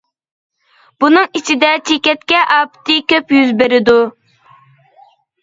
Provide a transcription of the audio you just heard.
بۇنىڭ ئىچىدە چېكەتكە ئاپىتى كۆپ يۈز بېرىدۇ.